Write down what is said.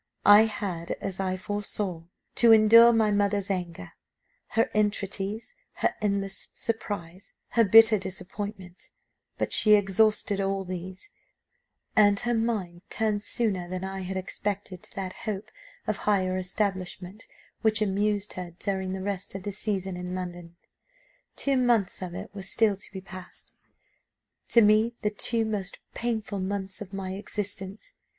I had, as I foresaw, to endure my mother's anger, her entreaties, her endless surprise, her bitter disappointment; but she exhausted all these, and her mind turned sooner than I had expected to that hope of higher establishment which amused her during the rest of the season in London. Two months of it were still to be passed to me the two most painful months of my existence.